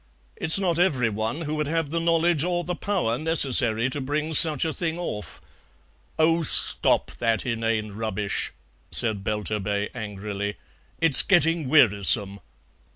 It's not every one who would have the knowledge or the power necessary to bring such a thing off " "Oh, stop that inane rubbish," said Belturbet angrily; "it's getting wearisome.